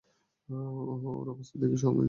ওহ, ওর অবস্থা দেখি সবচেয়ে খারাপ।